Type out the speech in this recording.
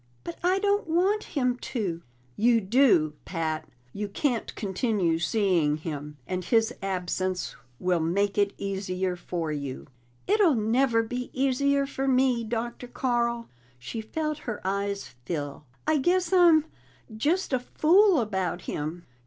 "But I don't want him to!" "You do, Pat. You can't continue seeing him, and his absence will make it easier for you." "It'll never be easier for me, Dr. Carl." She felt her eyes fill. "I guess I'm just a fool about him."